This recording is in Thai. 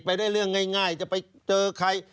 ไปได้เรื่องง่ายจะไปเจอใคร